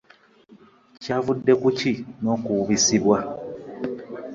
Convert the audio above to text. Kyavudde ku ki n'owubisibwa?